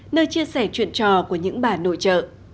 nơi chia sẻ chuyện trò của những bà nội trợ